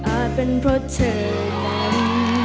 อาจเป็นเพราะเธอนั้น